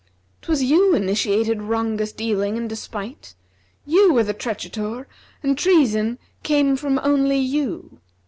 'Twas you initiated wrongous dealing and despite: * You were the treachetour and treason came from only you!